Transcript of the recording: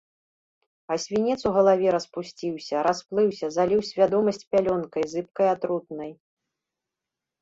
А свінец у галаве распусціўся, расплыўся, заліў свядомасць пялёнкай зыбкай, атрутнай.